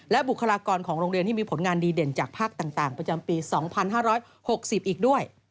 และบุคลากรของโรงเรียนที่มีผลงานดีเด่นจากภาคต่างประจำปี๒๕๖๐อีกด้วย